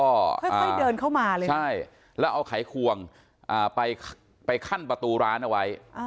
ค่อยเดินเข้ามาเลยใช่แล้วเอาไขควงไปขั้นประตูร้านเอาไว้